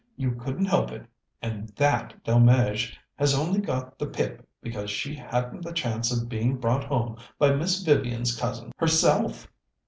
You couldn't help it, and that Delmege has only got the pip because she hadn't the chance of being brought home by Miss Vivian's cousin herself."